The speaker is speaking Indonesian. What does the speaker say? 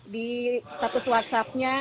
di status whatsappnya